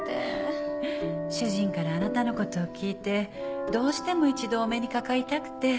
主人からあなたの事を聞いてどうしても一度お目にかかりたくて。